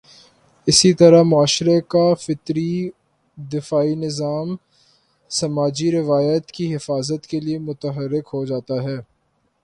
اسی طرح معاشرے کا فطری دفاعی نظام سماجی روایات کی حفاظت کے لیے متحرک ہو جاتا ہے۔